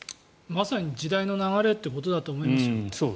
まさに時代の流れということだと思います。